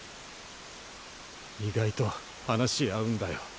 意外と話合うんだよ。